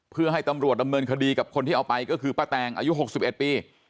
เพื่อให้ตำรวจดำเนินคดีกับคนที่เอาไปก็คือป้าแตงอายุ๖๑ปี